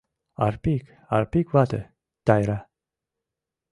Арпик, Арпик вате, Тайра.